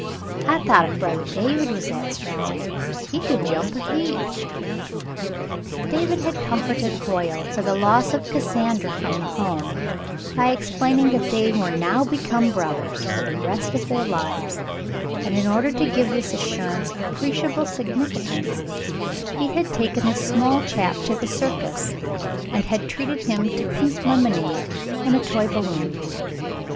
I thought if brothah David was that strong, he could jump a heap." David had comforted Hoyle for the loss of Cassandra from the home by explaining that they were now become brothers for the rest of their lives, and in order to give this assurance appreciable significance, he had taken the small chap to the circus and had treated him to pink lemonade and a toy balloon.